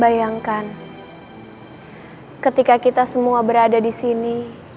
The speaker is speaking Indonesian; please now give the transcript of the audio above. bayangkan ketika kita semua berada disini